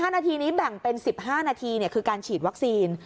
๕นาทีนี้แบ่งเป็น๑๕นาทีคือการฉีดวัคซีน